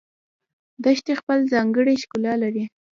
دښتې خپل ځانګړی ښکلا لري